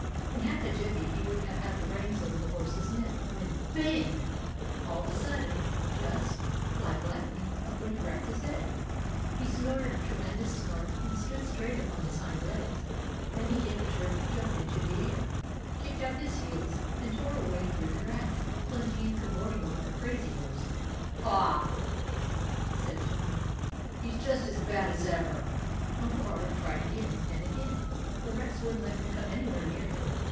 In half a jiffy he would have had the reins over the horse's neck, when — bang! all of a sudden, just 18 THE ADVENTURES OF MABEL like lightning, up went Rex's head; he snorted a tremendous snort and stood straight up on his hind legs ; then he gave a terrific jump into the air, kicked out his heels, and tore away through the grass, plunging and cavorting like a crazy horse. " Pah !" said John, " he 's just as bad as ever !" Uncle Robert tried again and again, but Rex would n't let him come anywhere near him.